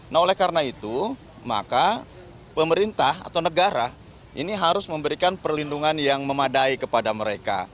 nah oleh karena itu maka pemerintah atau negara ini harus memberikan perlindungan yang memadai kepada mereka